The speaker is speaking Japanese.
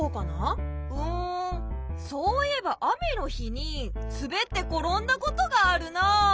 うんそういえば雨の日にすべって転んだことがあるなあ。